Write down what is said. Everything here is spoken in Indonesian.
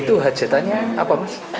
itu hajatannya apa mas